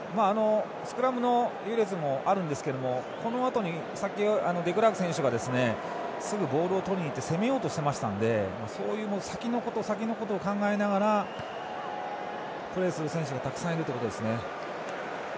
スクラムの優劣もあるんですけどもこのあとにデクラーク選手がすぐボールをとりにいって攻めようとしていましたのでそういう先のこと、先のことを考えながらプレーする選手がたくさんいるということですね。